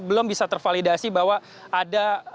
belum bisa tervalidasi bahwa ada